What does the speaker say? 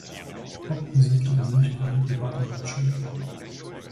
Hopp besuchte in München eine private Malschule.